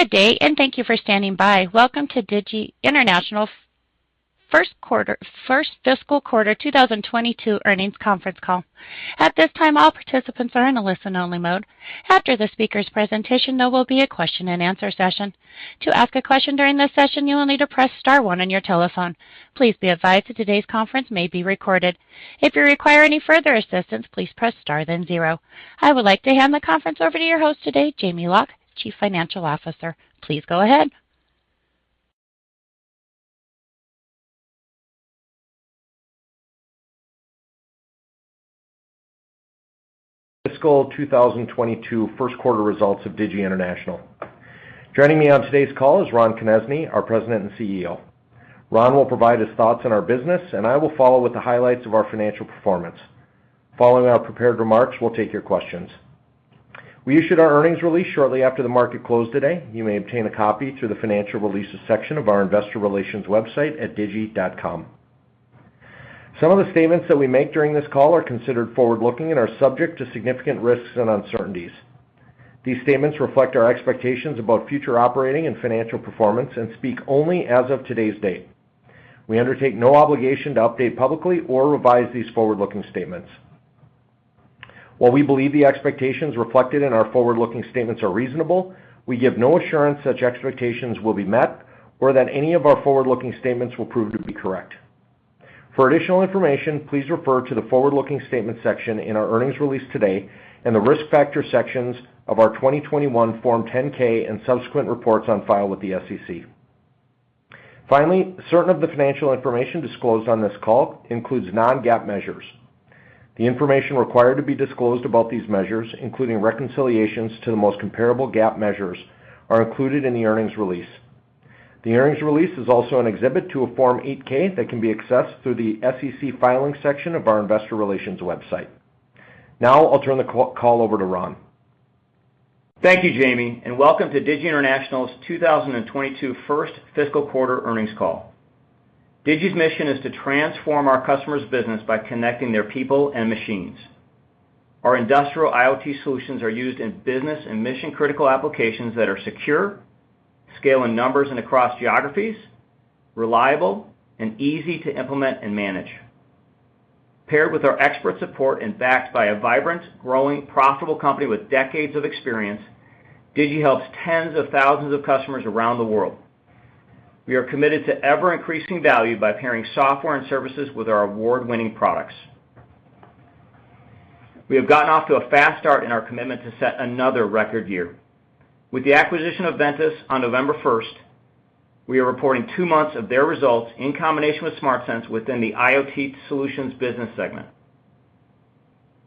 Good day, and thank you for standing by. Welcome to Digi International's first fiscal quarter 2022 earnings conference call. At this time, all participants are in a listen-only mode. After the speakers' presentation, there will be a question-and-answer session. To ask a question during this session, you will need to press star one on your telephone. Please be advised that today's conference may be recorded. If you require any further assistance, please press star, then zero. I would like to hand the conference over to your host today, Jamie Loch, Chief Financial Officer. Please go ahead. Fiscal 2022 first quarter results of Digi International. Joining me on today's call is Ron Konezný, our President and CEO. Ron will provide his thoughts on our business, and I will follow with the highlights of our financial performance. Following our prepared remarks, we'll take your questions. We issued our earnings release shortly after the market closed today. You may obtain a copy through the Financial Releases section of our investor relations website at digi.com. Some of the statements that we make during this call are considered forward-looking and are subject to significant risks and uncertainties. These statements reflect our expectations about future operating and financial performance and speak only as of today's date. We undertake no obligation to update publicly or revise these forward-looking statements. While we believe the expectations reflected in our forward-looking statements are reasonable, we give no assurance such expectations will be met or that any of our forward-looking statements will prove to be correct. For additional information, please refer to the Forward-Looking Statement section in our earnings release today and the Risk Factor sections of our 2021 Form 10-K and subsequent reports on file with the SEC. Finally, certain of the financial information disclosed on this call includes non-GAAP measures. The information required to be disclosed about these measures, including reconciliations to the most comparable GAAP measures, are included in the earnings release. The earnings release is also an exhibit to a Form 8-K that can be accessed through the SEC Filings section of our investor relations website. Now I'll turn the call over to Ron. Thank you, Jamie, and welcome to Digi International's 2022 first fiscal quarter earnings call. Digi's mission is to transform our customers' business by connecting their people and machines. Our industrial IoT solutions are used in business and mission-critical applications that are secure, scale in numbers and across geographies, reliable, and easy to implement and manage. Paired with our expert support and backed by a vibrant, growing, profitable company with decades of experience, Digi helps tens of thousands of customers around the world. We are committed to ever-increasing value by pairing software and services with our award-winning products. We have gotten off to a fast start in our commitment to set another record year. With the acquisition of Ventus on November 1st, we are reporting two months of their results in combination with SmartSense within the IoT Solutions business segment.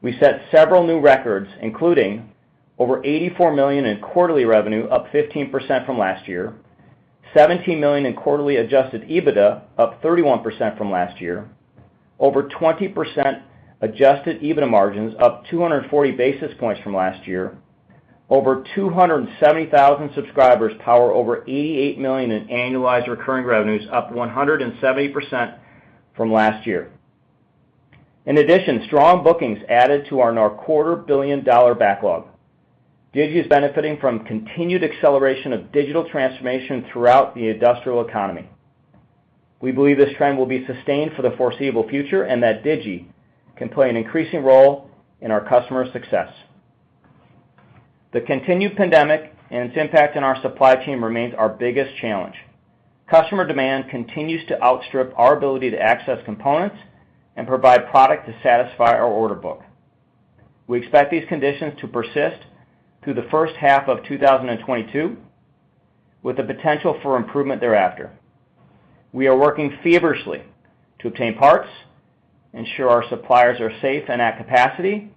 We set several new records, including over $84 million in quarterly revenue, up 15% from last year. $17 million in quarterly adjusted EBITDA, up 31% from last year. Over 20% adjusted EBITDA margins, up 240 basis points from last year. Over 270,000 subscribers power over $88 million in annualized recurring revenues, up 170% from last year. In addition, strong bookings added to our now quarter-billion-dollar backlog. Digi is benefiting from continued acceleration of digital transformation throughout the industrial economy. We believe this trend will be sustained for the foreseeable future and that Digi can play an increasing role in our customers' success. The continued pandemic and its impact on our supply chain remains our biggest challenge. Customer demand continues to outstrip our ability to access components and provide product to satisfy our order book. We expect these conditions to persist through the first half of 2022, with the potential for improvement thereafter. We are working feverishly to obtain parts, ensure our suppliers are safe and at capacity,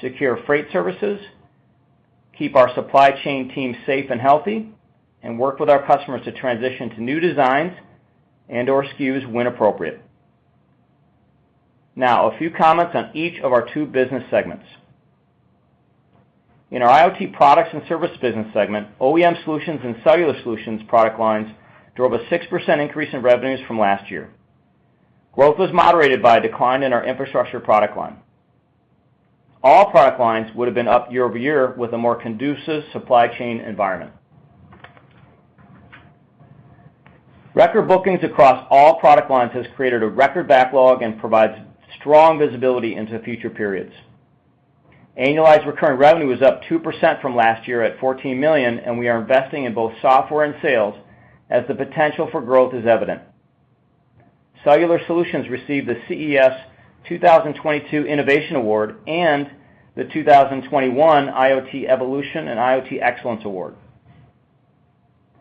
secure freight services, keep our supply chain team safe and healthy, and work with our customers to transition to new designs and/or SKUs when appropriate. Now, a few comments on each of our two business segments. In our IoT Products & Services business segment, OEM Solutions and Cellular Solutions product lines drove a 6% increase in revenues from last year. Growth was moderated by a decline in our infrastructure product line. All product lines would have been up year-over-year with a more conducive supply chain environment. Record bookings across all product lines has created a record backlog and provides strong visibility into future periods. Annualized recurring revenue is up 2% from last year at $14 million, and we are investing in both software and sales as the potential for growth is evident. Cellular Solutions received the CES 2022 Innovation Award and the 2021 IoT Evolution and IoT Excellence Award.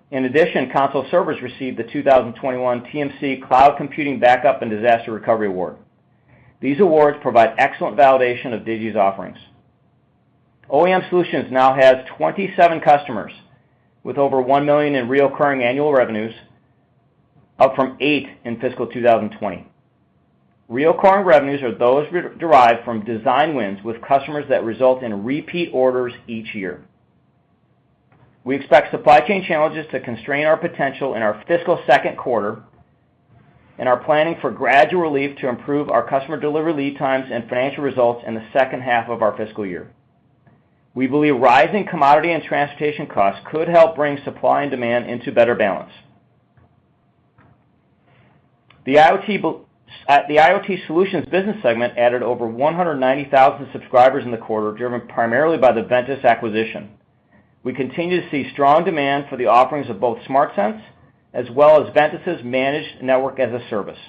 In addition, Console Servers received the 2021 TMC Cloud Computing Backup and Disaster Recovery Award. These awards provide excellent validation of Digi's offerings. OEM Solutions now has 27 customers with over $1 million in recurring annual revenues, up from eight in fiscal 2020. Recurring revenues are those derived from design wins with customers that result in repeat orders each year. We expect supply chain challenges to constrain our potential in our fiscal second quarter. We are planning for gradual relief to improve our customer delivery lead times and financial results in the second half of our fiscal year. We believe rising commodity and transportation costs could help bring supply and demand into better balance. The IoT Solutions business segment added over 190,000 subscribers in the quarter, driven primarily by the Ventus acquisition. We continue to see strong demand for the offerings of both SmartSense as well as Ventus's managed network as a service.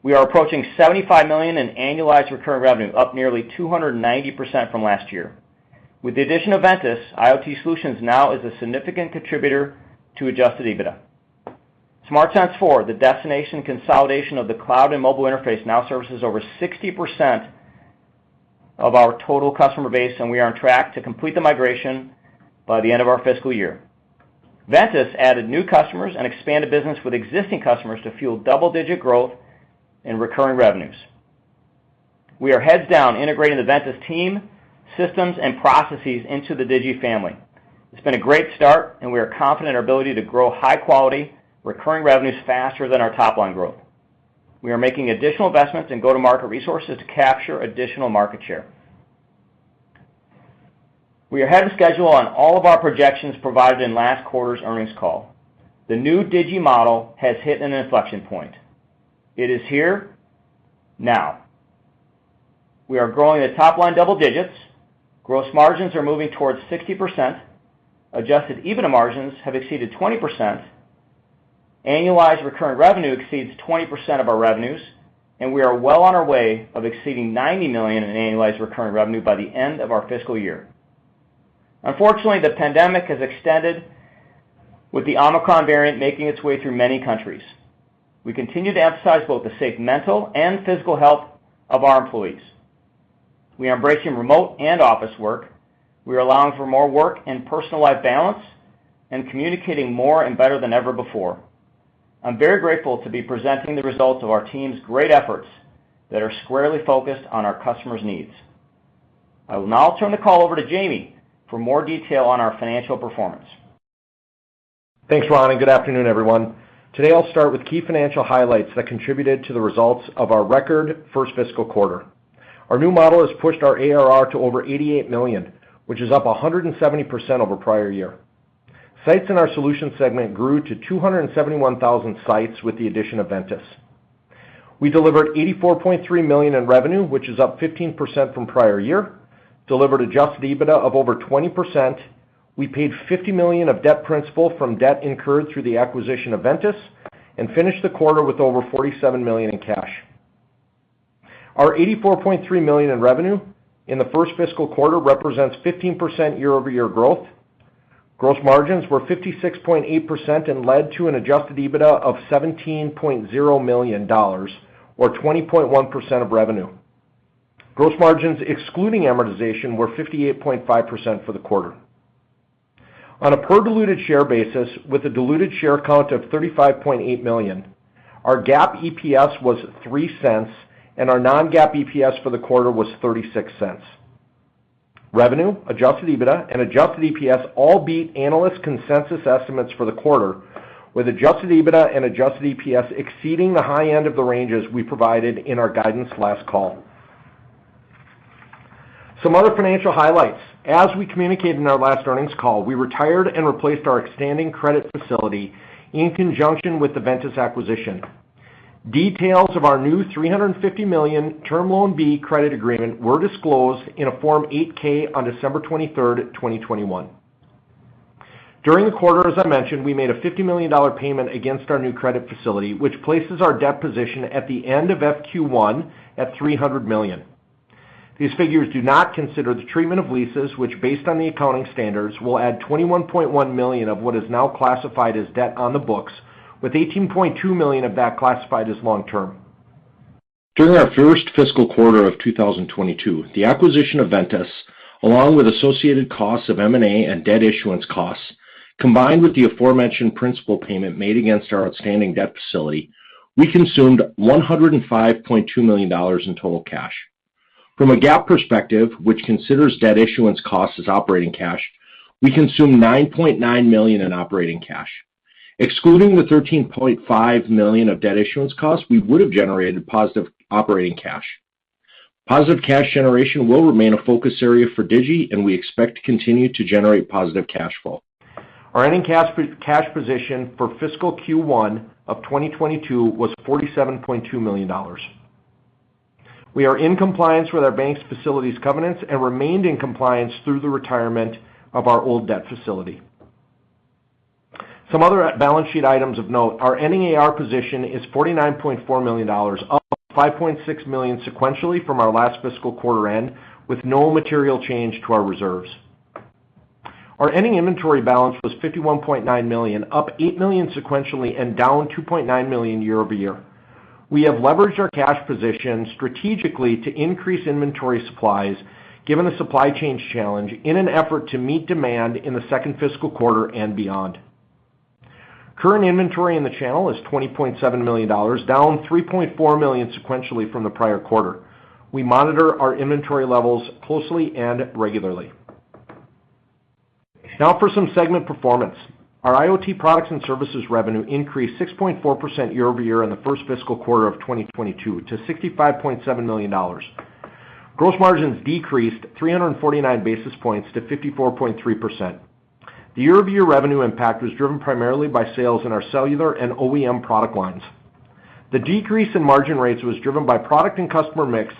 We are approaching $75 million in annualized recurring revenue, up nearly 290% from last year. With the addition of Ventus, IoT Solutions now is a significant contributor to adjusted EBITDA. SmartSense for the data consolidation of the cloud and mobile interface now services over 60% of our total customer base, and we are on track to complete the migration by the end of our fiscal year. Ventus added new customers and expanded business with existing customers to fuel double-digit growth in recurring revenues. We are heads down integrating the Ventus team, systems and processes into the Digi family. It's been a great start and we are confident in our ability to grow high quality recurring revenues faster than our top line growth. We are making additional investments in go-to-market resources to capture additional market share. We are ahead of schedule on all of our projections provided in last quarter's earnings call. The new Digi model has hit an inflection point. It is here now. We are growing the top line double digits. Gross margins are moving towards 60%. Adjusted EBITDA margins have exceeded 20%. Annualized recurring revenue exceeds 20% of our revenues, and we are well on our way of exceeding $90 million in annualized recurring revenue by the end of our fiscal year. Unfortunately, the pandemic has extended, with the Omicron variant making its way through many countries. We continue to emphasize both the safe mental and physical health of our employees. We are embracing remote and office work. We are allowing for more work and personal life balance and communicating more and better than ever before. I'm very grateful to be presenting the results of our team's great efforts that are squarely focused on our customers' needs. I will now turn the call over to Jamie for more detail on our financial performance. Thanks, Ron, and good afternoon, everyone. Today, I'll start with key financial highlights that contributed to the results of our record first fiscal quarter. Our new model has pushed our ARR to over $88 million, which is up 170% over prior year. Sites in our solutions segment grew to 271,000 sites with the addition of Ventus. We delivered $84.3 million in revenue, which is up 15% from prior year, delivered adjusted EBITDA of over 20%. We paid $50 million of debt principal from debt incurred through the acquisition of Ventus and finished the quarter with over $47 million in cash. Our $84.3 million in revenue in the first fiscal quarter represents 15% year-over-year growth. Gross margins were 56.8% and led to an adjusted EBITDA of $17.0 million or 20.1% of revenue. Gross margins, excluding amortization, were 58.5% for the quarter. On a per diluted share basis, with a diluted share count of 35.8 million, our GAAP EPS was $0.03, and our non-GAAP EPS for the quarter was $0.36. Revenue, adjusted EBITDA, and adjusted EPS all beat analyst consensus estimates for the quarter, with adjusted EBITDA and adjusted EPS exceeding the high end of the ranges we provided in our guidance last call. Some other financial highlights. As we communicated in our last earnings call, we retired and replaced our outstanding credit facility in conjunction with the Ventus acquisition. Details of our new $350 million Term Loan B credit agreement were disclosed in a Form 8-K on December 23, 2021. During the quarter, as I mentioned, we made a $50 million payment against our new credit facility, which places our debt position at the end of FQ1 at $300 million. These figures do not consider the treatment of leases, which based on the accounting standards, will add $21.1 million of what is now classified as debt on the books, with $18.2 million of that classified as long-term. During our first fiscal quarter of 2022, the acquisition of Ventus, along with associated costs of M&A and debt issuance costs, combined with the aforementioned principal payment made against our outstanding debt facility, we consumed $105.2 million in total cash. From a GAAP perspective, which considers debt issuance costs as operating cash, we consumed $9.9 million in operating cash. Excluding the $13.5 million of debt issuance costs, we would have generated positive operating cash. Positive cash generation will remain a focus area for Digi, and we expect to continue to generate positive cash flow. Our ending cash position for fiscal Q1 of 2022 was $47.2 million. We are in compliance with our bank's facilities covenants and remained in compliance through the retirement of our old debt facility. Some other balance sheet items of note. Our ending AR position is $49.4 million, up $5.6 million sequentially from our last fiscal quarter end, with no material change to our reserves. Our ending inventory balance was $51.9 million, up $8 million sequentially and down $2.9 million year-over-year. We have leveraged our cash position strategically to increase inventory supplies given the supply chain challenge in an effort to meet demand in the second fiscal quarter and beyond. Current inventory in the channel is $20.7 million, down $3.4 million sequentially from the prior quarter. We monitor our inventory levels closely and regularly. Now for some segment performance. Our IoT Products & Services revenue increased 6.4% year-over-year in the first fiscal quarter of 2022 to $65.7 million. Gross margins decreased 349 basis points to 54.3%. The year-over-year revenue impact was driven primarily by sales in our Cellular and OEM product lines. The decrease in margin rates was driven by product and customer mix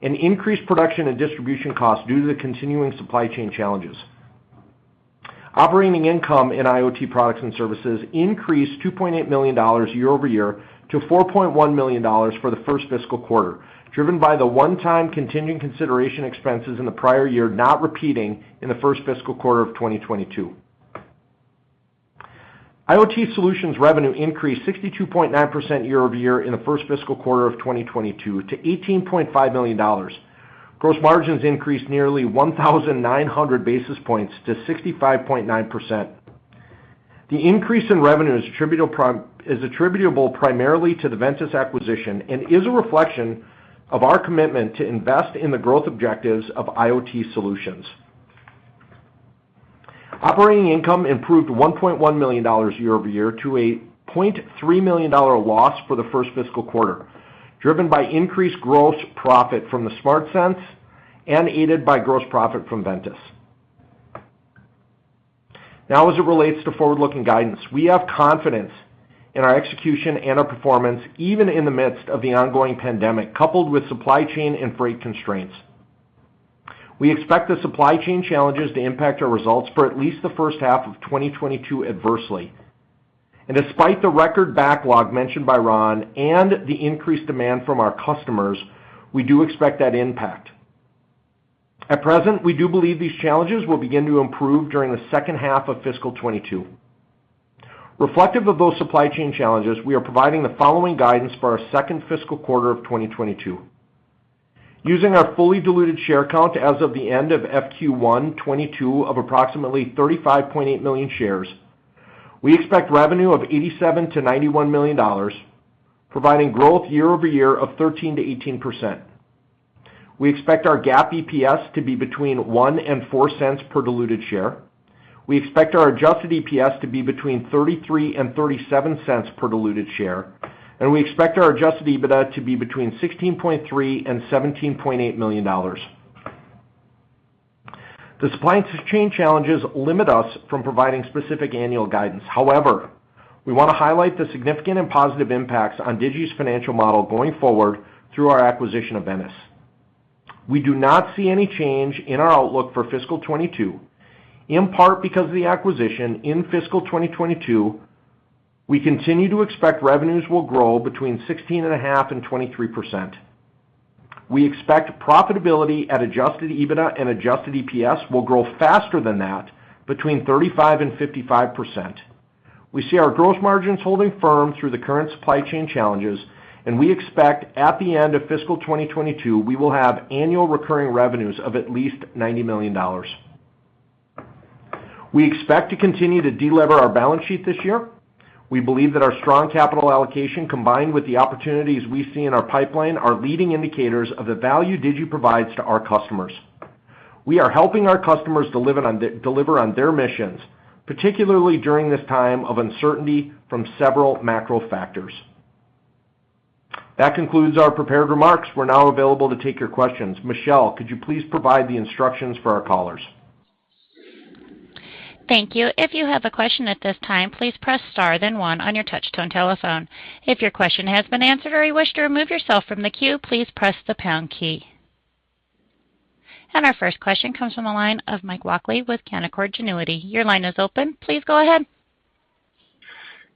and increased production and distribution costs due to the continuing supply chain challenges. Operating income in IoT Products & Services increased $2.8 million year-over-year to $4.1 million for the first fiscal quarter, driven by the one-time continuing consideration expenses in the prior year, not repeating in the first fiscal quarter of 2022. IoT Solutions revenue increased 62.9% year-over-year in the first fiscal quarter of 2022 to $18.5 million. Gross margins increased nearly 1,900 basis points to 65.9%. The increase in revenue is attributable primarily to the Ventus acquisition and is a reflection of our commitment to invest in the growth objectives of IoT Solutions. Operating income improved $1.1 million year-over-year to a $0.3 million loss for the first fiscal quarter, driven by increased gross profit from SmartSense and aided by gross profit from Ventus. Now, as it relates to forward-looking guidance, we have confidence in our execution and our performance, even in the midst of the ongoing pandemic, coupled with supply chain and freight constraints. We expect the supply chain challenges to impact our results for at least the H1 of 2022 adversely. Despite the record backlog mentioned by Ron and the increased demand from our customers, we do expect that impact. At present, we do believe these challenges will begin to improve during the second half of fiscal 2022. Reflective of those supply chain challenges, we are providing the following guidance for our second fiscal quarter of 2022. Using our fully diluted share count as of the end of FQ1 2022 of approximately 35.8 million shares, we expect revenue of $87 million-$91 million, providing growth year-over-year of 13%-18%. We expect our GAAP EPS to be between 1 and 4 cents per diluted share. We expect our adjusted EPS to be between 33 and 37 cents per diluted share, and we expect our adjusted EBITDA to be between $16.3 million and $17.8 million. The supply chain challenges limit us from providing specific annual guidance. However, we want to highlight the significant and positive impacts on Digi's financial model going forward through our acquisition of Ventus. We do not see any change in our outlook for fiscal 2022, in part because of the acquisition. In fiscal 2022, we continue to expect revenues will grow between 16.5% and 23%. We expect profitability at adjusted EBITDA and adjusted EPS will grow faster than that, between 35% and 55%. We see our gross margins holding firm through the current supply chain challenges, and we expect at the end of fiscal 2022, we will have annual recurring revenues of at least $90 million. We expect to continue to delever our balance sheet this year. We believe that our strong capital allocation, combined with the opportunities we see in our pipeline, are leading indicators of the value Digi provides to our customers. We are helping our customers deliver on their missions, particularly during this time of uncertainty from several macro factors. That concludes our prepared remarks. We're now available to take your questions. Michelle, could you please provide the instructions for our callers? Thank you. Our first question comes from the line of Mike Walkley with Canaccord Genuity. Your line is open. Please go ahead.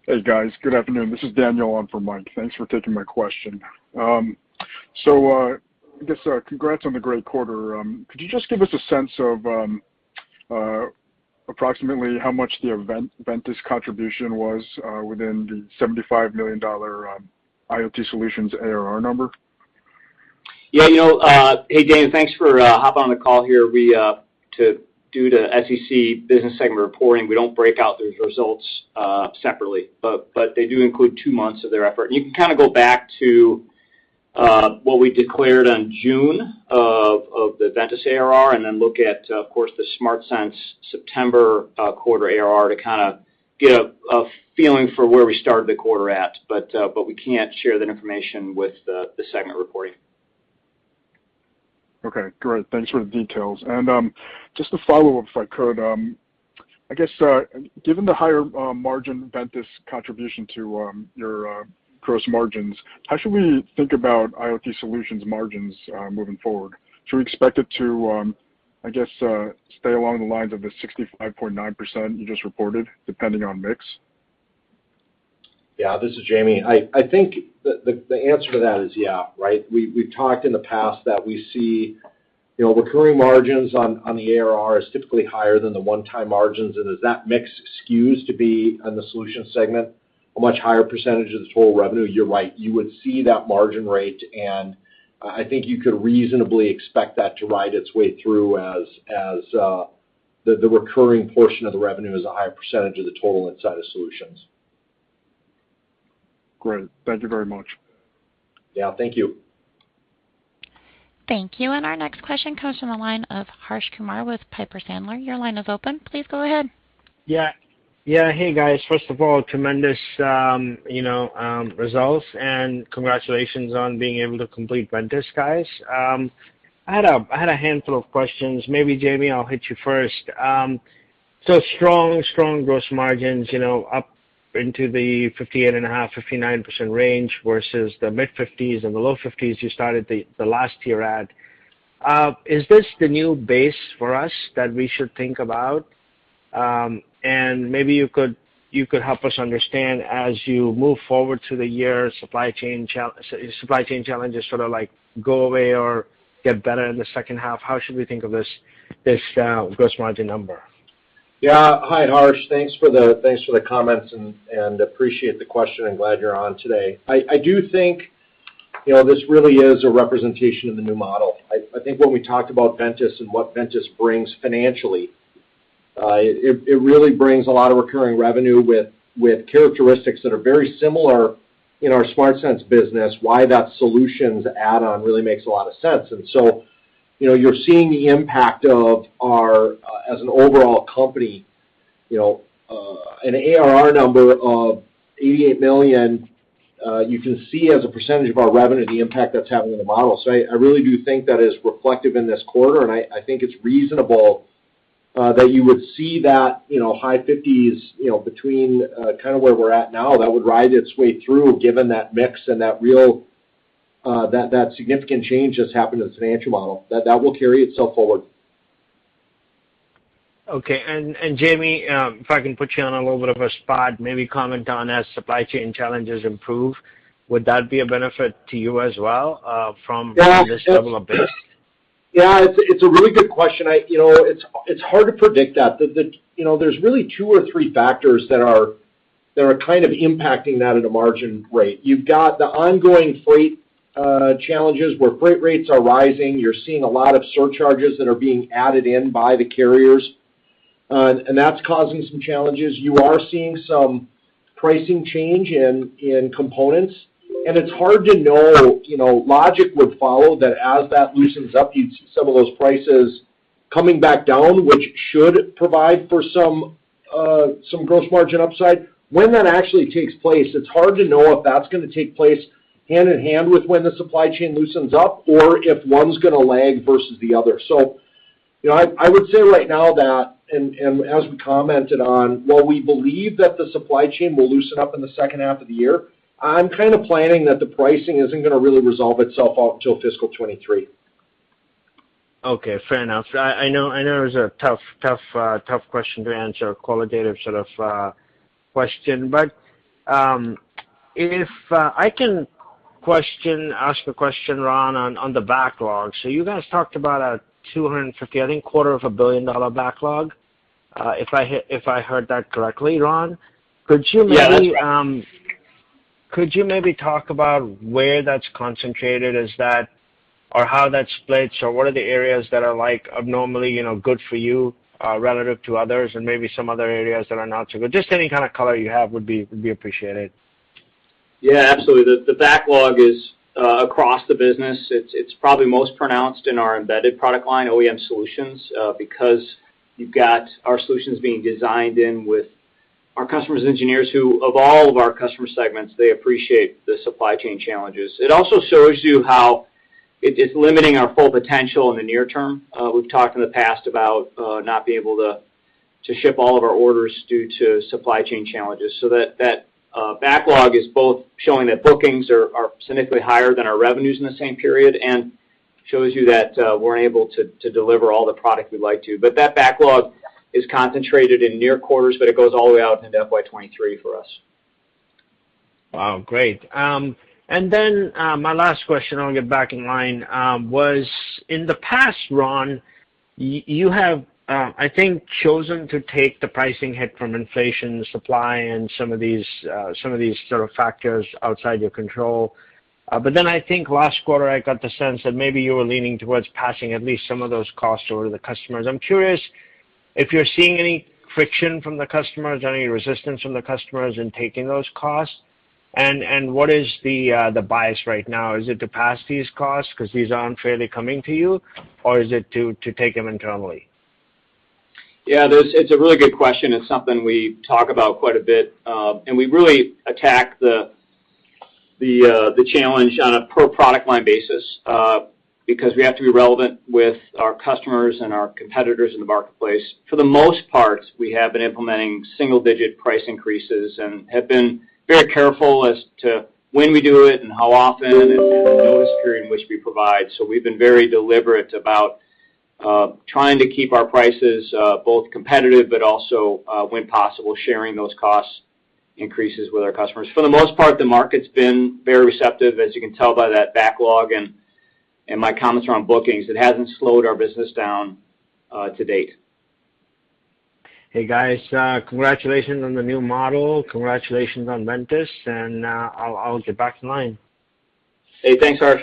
Hey, guys. Good afternoon. This is Daniel on for Mike. Thanks for taking my question. I guess, congrats on the great quarter. Could you just give us a sense of approximately how much the Ventus contribution was within the $75 million IoT Solutions ARR number? Yeah. You know, hey Dan, thanks for hopping on the call here. Due to SEC business segment reporting, we don't break out those results separately. But they do include two months of their effort. You can kind of go back to what we declared on June of the Ventus ARR and then look at, of course, the SmartSense September quarter ARR to kind of get a feeling for where we started the quarter at. But we can't share that information with the segment reporting. Okay. Great. Thanks for the details. Just a follow-up, if I could. I guess, given the higher margin Ventus contribution to your gross margins, how should we think about IoT Solutions margins moving forward? Should we expect it to, I guess, stay along the lines of the 65.9% you just reported, depending on mix? This is Jamie Locke. I think the answer to that is yeah, right? We've talked in the past that we see, you know, recurring margins on the ARR is typically higher than the one-time margins. As that mix skews to be in the solutions segment, a much higher percentage of the total revenue, you're right, you would see that margin rate. I think you could reasonably expect that to ride its way through as the recurring portion of the revenue is a higher percentage of the total inside of solutions. Great. Thank you very much. Yeah, thank you. Thank you. Our next question comes from the line of Harsh Kumar with Piper Sandler. Your line is open. Please go ahead. Yeah. Hey, guys. First of all, tremendous, you know, results, and congratulations on being able to complete Ventus, guys. I had a handful of questions. Maybe Jamie, I'll hit you first. So strong gross margins, you know, up into the 58.5%-59% range versus the mid-50s and the low 50s you started the last year at. Is this the new base for us that we should think about? Maybe you could help us understand as you move forward through the year, supply chain challenges sort of like go away or get better in the second half, how should we think of this gross margin number? Yeah. Hi, Harsh. Thanks for the comments and appreciate the question, and glad you're on today. I do think, you know, this really is a representation of the new model. I think when we talked about Ventus and what Ventus brings financially, it really brings a lot of recurring revenue with characteristics that are very similar in our SmartSense business, why that solutions add-on really makes a lot of sense. You know, you're seeing the impact of ours as an overall company, you know, an ARR number of $88 million, you can see as a percentage of our revenue the impact that's having on the model. I really do think that is reflective in this quarter, and I think it's reasonable that you would see that, you know, high 50s, you know, between kind of where we're at now, that would ride its way through given that mix and that real that significant change that's happened to the financial model, that will carry itself forward. Okay. Jamie, if I can put you on a little bit of a spot, maybe comment on as supply chain challenges improve, would that be a benefit to you as well, from- Yeah. this level of base? Yeah, it's a really good question. You know, it's hard to predict that. You know, there's really two or three factors that are kind of impacting that at a margin rate. You've got the ongoing freight challenges, where freight rates are rising. You're seeing a lot of surcharges that are being added in by the carriers, and that's causing some challenges. You are seeing some pricing change in components, and it's hard to know. You know, logic would follow that as that loosens up, some of those prices coming back down, which should provide for some gross margin upside. When that actually takes place, it's hard to know if that's gonna take place hand in hand with when the supply chain loosens up or if one's gonna lag versus the other. You know, I would say right now that, and as we commented on, while we believe that the supply chain will loosen up in the second half of the year, I'm kind of planning that the pricing isn't gonna really resolve itself out until fiscal 2023. Okay, fair enough. I know it's a tough question to answer, a qualitative sort of question. If I can ask a question, Ron, on the backlog. You guys talked about a $250 million, I think, quarter of a billion dollar backlog, if I heard that correctly, Ron. Could you maybe- Yeah, that's right. Could you maybe talk about where that's concentrated? Or how that splits, or what are the areas that are like abnormally, you know, good for you, relative to others and maybe some other areas that are not so good? Just any kind of color you have would be appreciated. Yeah, absolutely. The backlog is across the business. It's probably most pronounced in our embedded product line, OEM Solutions, because you've got our solutions being designed in with our customers' engineers who, of all of our customer segments, they appreciate the supply chain challenges. It also shows you how it is limiting our full potential in the near term. We've talked in the past about not being able to ship all of our orders due to supply chain challenges. That backlog is both showing that bookings are significantly higher than our revenues in the same period and shows you that we're unable to deliver all the product we'd like to. That backlog is concentrated in near quarters, but it goes all the way out into FY 2023 for us. Wow, great. And then my last question, I'll get back in line, was in the past, Ron, you have, I think, chosen to take the pricing hit from inflation, supply, and some of these sort of factors outside your control. I think last quarter, I got the sense that maybe you were leaning towards passing at least some of those costs over to the customers. I'm curious if you're seeing any friction from the customers, any resistance from the customers in taking those costs, and what is the bias right now? Is it to pass these costs 'cause these aren't fairly coming to you, or is it to take them internally? It's a really good question. It's something we talk about quite a bit, and we really attack the challenge on a per product line basis, because we have to be relevant with our customers and our competitors in the marketplace. For the most part, we have been implementing single-digit price increases and have been very careful as to when we do it and how often and the notice period in which we provide. We've been very deliberate about trying to keep our prices both competitive but also, when possible, sharing those cost increases with our customers. For the most part, the market's been very receptive, as you can tell by that backlog and my comments around bookings. It hasn't slowed our business down to date. Hey, guys, congratulations on the new model. Congratulations on Ventus, and I'll get back in line. Hey, thanks, Harsh.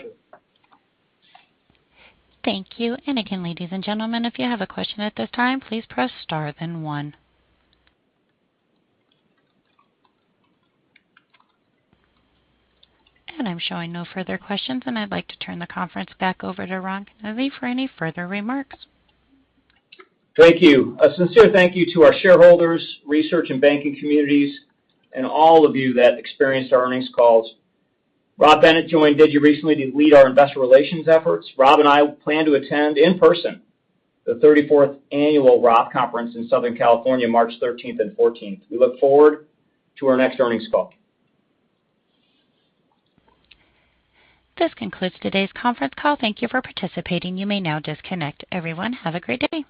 Thank you. Again, ladies and gentlemen, if you have a question at this time, please press star then one. I'm showing no further questions, and I'd like to turn the conference back over to Ron Konezny for any further remarks. Thank you. A sincere thank you to our shareholders, research and banking communities, and all of you that experienced our earnings calls. Rob Bennett joined Digi recently to lead our investor relations efforts. Rob and I plan to attend in person the 34th Annual Roth Conference in Southern California, March 13 and 14. We look forward to our next earnings call. This concludes today's conference call. Thank you for participating. You may now disconnect. Everyone, have a great day.